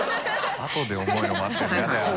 あとで重いの待ってるの嫌だよな。